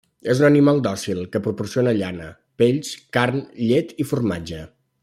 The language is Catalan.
És un animal dòcil que proporciona llana, pells, carn, llet i formatge.